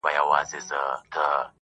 وروستي عبارت ته مې پام شو